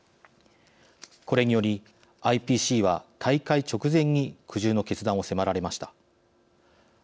これによりＩＰＣは大会直前に苦渋の決断を迫られました。